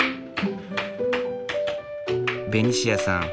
ベニシアさん